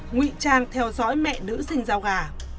ngụy trang theo dõi mẹ nữ sinh giao gà